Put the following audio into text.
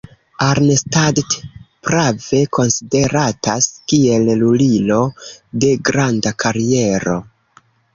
Arnstadt prave konsideratas kiel lulilo de granda kariero.